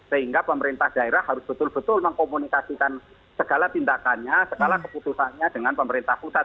sehingga pemerintah daerah harus betul betul mengkomunikasikan segala tindakannya segala keputusannya dengan pemerintah pusat